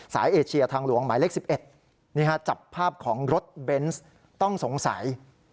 เอเชียทางหลวงหมายเลข๑๑นี่ฮะจับภาพของรถเบนส์ต้องสงสัย